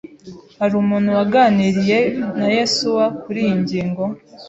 Hari umuntu waganiriye na Yesuwa kuriyi ngingo?